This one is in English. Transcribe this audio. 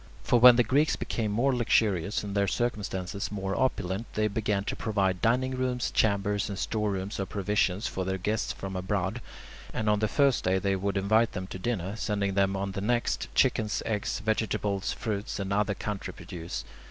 For when the Greeks became more luxurious, and their circumstances more opulent, they began to provide dining rooms, chambers, and store rooms of provisions for their guests from abroad, and on the first day they would invite them to dinner, sending them on the next chickens, eggs, vegetables, fruits, and other country produce.